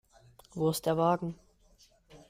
Wo ist der Wagen?